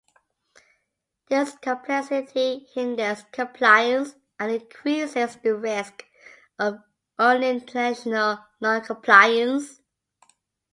This complexity hinders compliance and increases the risk of unintentional non-compliance.